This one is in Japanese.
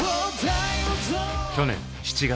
去年７月。